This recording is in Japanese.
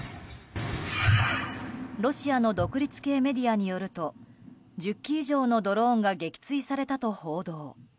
ロシアの独立系メディアによると１０機以上のドローンが撃墜されたと報道。